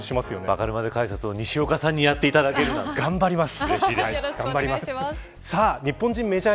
わかるまで解説を西岡さんにやっていただけるなんて頑張ります。